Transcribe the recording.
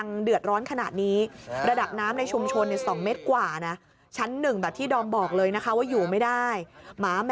เพราะว่าท่าทีของระดับน้ำที่อุบลนี่นะ